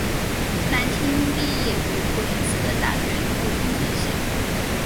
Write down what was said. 蓝钦毕业于普林斯顿大学土木工程系。